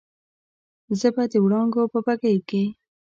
زه به د وړانګو په بګۍ کې